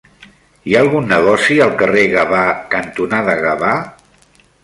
Hi ha algun negoci al carrer Gavà cantonada Gavà?